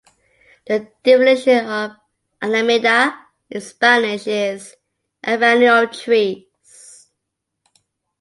The definition of Alameda in Spanish is "Avenue of Trees".